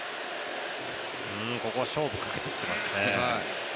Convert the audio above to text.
ここは勝負かけていきますね。